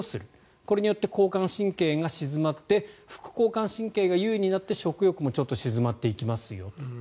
これによって交感神経が静まって副交感神経が優位になって食欲もちょっと静まっていきますよと。